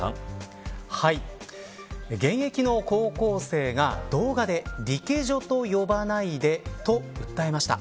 現役の高校生が動画で、リケジョと呼ばないでと訴えました。